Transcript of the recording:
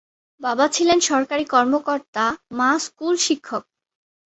বাবা ছিলেন সরকারি কর্মকর্তা, মা স্কুল শিক্ষক।